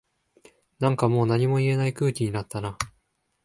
なんかもう何も言えない空気になったな